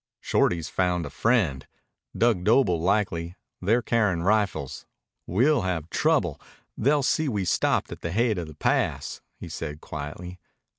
"Shorty's found a friend. Dug Doble likely. They're carryin' rifles. We'll have trouble. They'll see we stopped at the haid of the pass," he said quietly.